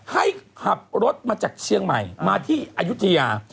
ให้ขับรถมาจากเชียงใหม่มาที่อายุทยา